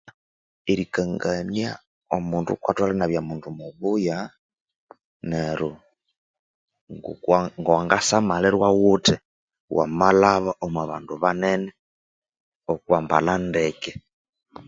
Erikangania omundu kwatholere inabya mundu mubuya, nero ngokwa nga'wangasamalirwa wuthi wamalhaba omwa bandu banene okwa mbalha ndeke.